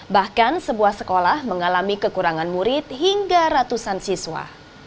bahkan sebuah sekolah mengalami kekurangan murid hingga ratusan siswa